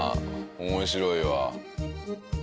面白いわ。